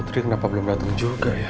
putri kenapa belum dateng juga ya